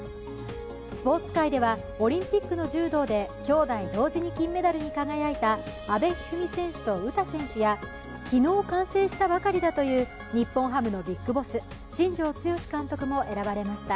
スポーツ界ではオリンピックの柔道できょうだい同時に金メダルに輝いた阿部一二三選手と詩選手や昨日完成したばかりだという日本ハムのビッグボス新庄剛志監督も選ばれました。